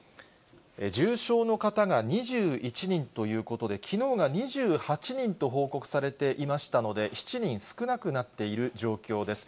重症の方が２１人ということで、きのうが２８人と報告されていましたので、７人少なくなっている状況です。